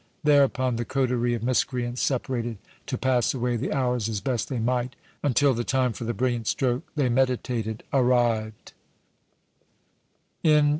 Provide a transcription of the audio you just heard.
Thereupon the coterie of miscreants separated, to pass away the hours as best they might, until the time for the brilliant stroke they meditated arrived.